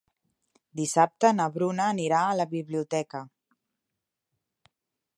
Dissabte na Bruna anirà a la biblioteca.